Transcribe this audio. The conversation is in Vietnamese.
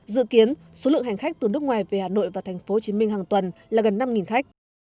dự kiến số lượng hành khách từ nước ngoài về hà nội và tp hcm hàng tuần là gần năm khách